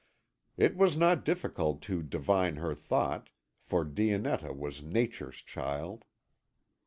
It was not difficult to divine her thought, for Dionetta was Nature's child.